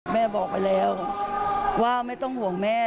บอกไปแล้วว่าไม่ต้องห่วงแม่